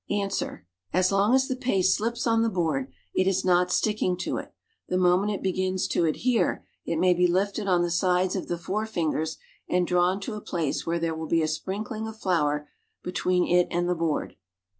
Ans. As long as the paste .slips on the board, it is not sticking to it; the moment it begins to adhere, it may be lifted on the sides of the forefingers and drawn to a place where there will be a sprinkling of flour between it and the board.